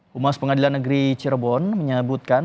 humas pengadilan negeri cirebon menyebutkan